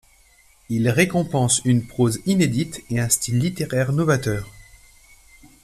Il récompense une prose inédite et un style littéraire novateur.